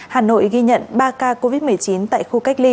hà nội ghi nhận ba ca covid một mươi chín tại khu cách ly